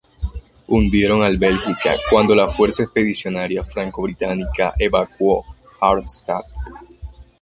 Hundieron al "Belgica" cuando la fuerza expedicionaria franco-británica evacuó Harstad.